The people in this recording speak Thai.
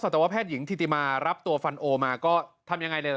ตวแพทย์หญิงทิติมารับตัวฟันโอมาก็ทำยังไงเลยล่ะ